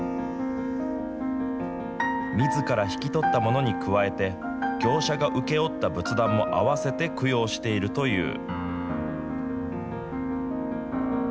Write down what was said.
みずから引き取ったものに加えて、業者が請け負った仏壇も併せて供養しているという。